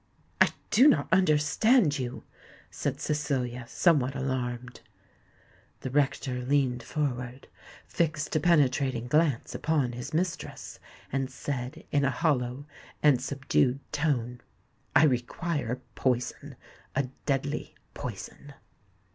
"I do not understand you," said Cecilia, somewhat alarmed. The rector leant forward, fixed a penetrating glance upon his mistress, and said in a hollow and subdued tone, "I require poison—a deadly poison!"